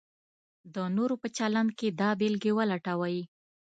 د نورو په چلند کې دا بېلګې ولټوئ: